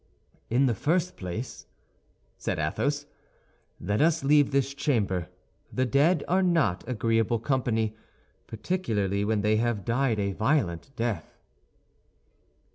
"In the first place," said Athos, "let us leave this chamber; the dead are not agreeable company, particularly when they have died a violent death."